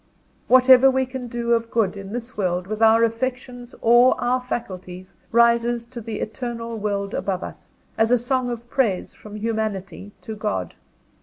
whatever we can do of good, in this world, with our affections or our faculties, rises to the Eternal World above us, as a song of praise from Humanity to God.